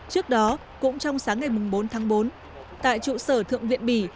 trước đó cũng trong sáng ngày bốn tháng bốn tại trụ sở thượng viện bỉ